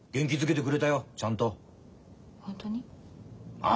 ああ。